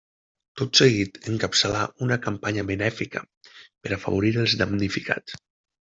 Tot seguit encapçalà una campanya benèfica per afavorir els damnificats.